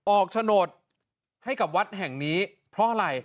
โฉนดให้กับวัดแห่งนี้เพราะอะไร